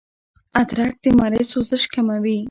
ادرک د مرۍ سوزش کموي